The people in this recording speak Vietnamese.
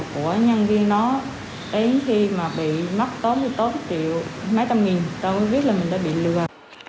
của nhân viên đó đến khi mà bị mắc tốn thì tốn một triệu mấy trăm nghìn tao mới biết là mình đã bị lừa